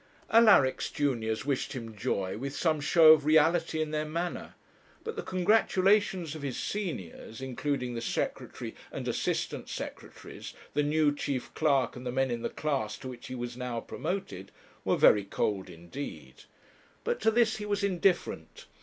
Alaric's juniors wished him joy with some show of reality in their manner; but the congratulations of his seniors, including the Secretary and Assistant Secretaries, the new Chief Clerk and the men in the class to which he was now promoted, were very cold indeed. But to this he was indifferent.